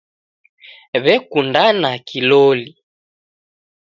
W'ekundana kiloli